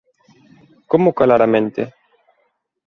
Como calar a mente?